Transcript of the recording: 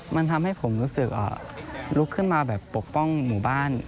มันทำให้ผมรู้สึกลุกขึ้นมาแบบปกป้องหมู่บ้าน